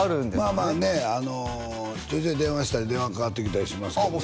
まあまあねちょいちょい電話したり電話かかってきたりしますけどねああ